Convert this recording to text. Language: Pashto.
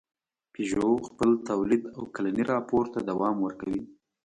پيژو خپل تولید او کلني راپور ته دوام ورکوي.